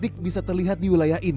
tidak ada hal yang diperlukan